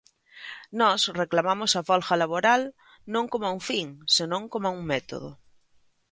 Nós reclamamos a folga laboral non coma un fin, senón coma un método.